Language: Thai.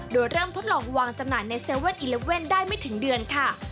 โดยเริ่มทดลองวางจำหน่ายใน๗๑๑ได้ไม่ถึงเดือนค่ะ